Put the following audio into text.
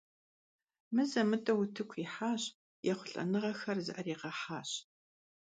Mıze - mıt'eu vutıku yihaş, yêxhulh'enığexer zı'erağehaş.